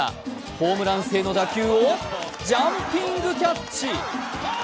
ホームラン性の打球をジャンピングキャッチ。